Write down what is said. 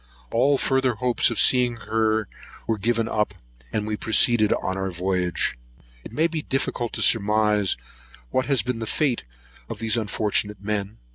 All further hopes of seeing her were given up, and we proceeded on our voyage. It may be difficult to surmise what has been the fate of these unfortunate men.